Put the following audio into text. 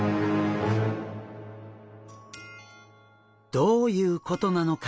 どういうことなのか？